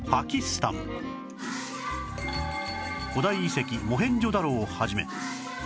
古代遺跡モヘンジョダロを始め